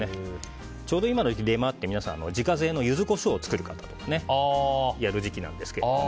ちょうど今の時期、出回って皆さん、自家製のユズコショウを作る方なんかがやる時期なんですが。